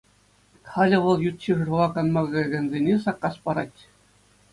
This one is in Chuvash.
Халӗ вӑл ют ҫӗршыва канма каякансене саккас парать.